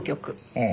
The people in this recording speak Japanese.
うん。